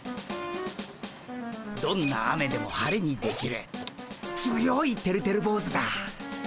どんな雨でも晴れにできる強いてるてる坊主だ。